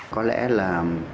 có lẽ là